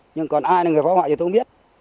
nhưng còn ai là người phá hoại thì tôi biết